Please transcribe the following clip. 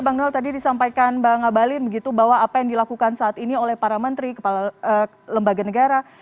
bang donald tadi disampaikan bang abalin begitu bahwa apa yang dilakukan saat ini oleh para menteri kepala lembaga negara